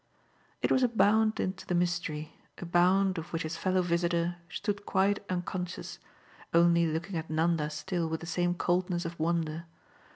It was a bound into the mystery, a bound of which his fellow visitor stood quite unconscious, only looking at Nanda still with the same coldness of wonder.